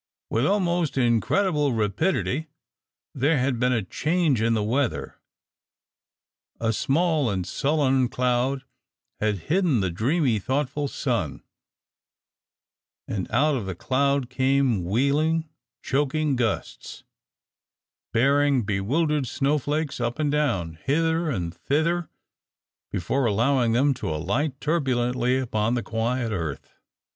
With almost incredible rapidity there had been a change in the weather. A small and sullen cloud had hidden the dreamy, thoughtful sun, and out of the cloud came wheeling, choking gusts, bearing bewildered snowflakes up and down, hither and thither, before allowing them to alight turbulently upon the quiet earth.